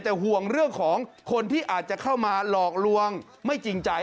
แต่ห่วงเรื่องของคนที่อาจจะเข้ามาหลอกลวงไม่จริงใจ